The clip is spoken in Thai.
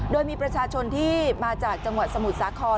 โดยมีประชาชนที่มาจากจังหวัดสมุทรสาคร